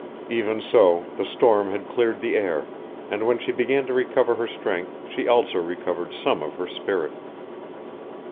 Even so the storm had cleared the air, and when she began to recover her strength she also recovered some of her spirit.